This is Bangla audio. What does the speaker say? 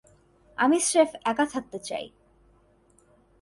আমি স্রেফ একা থাকতে চাই।